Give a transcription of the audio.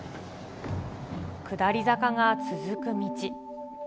下り坂が続く道。